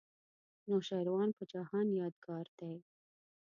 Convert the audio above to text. د نوشیروان په جهان یادګار دی.